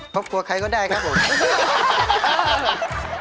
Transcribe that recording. ครอบครัวใครก็ได้ครับผม